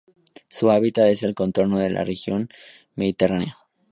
Su hábitat es el contorno de la región mediterránea.